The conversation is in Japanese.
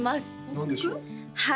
何でしょう？